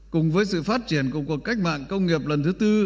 cùng với sự phát triển của cuộc cách mạng công nghiệp lần thứ tư